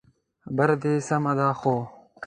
خبره دي سمه ده خو